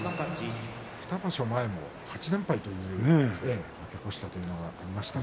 ２場所前も８連敗と負け越したということもありました。